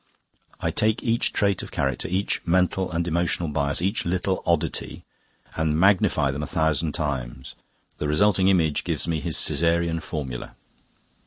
I take each trait of character, each mental and emotional bias, each little oddity, and magnify them a thousand times. The resulting image gives me his Caesarean formula."